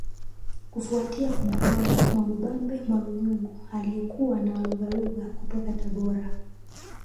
Kufuatia kumtwanga Mwamubambe Mwalunyungu aliyekuwa na walugaluga kutoka Tabora